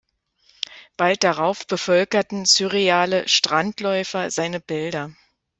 Bald darauf bevölkerten surreale „Strandläufer“ seine Bilder.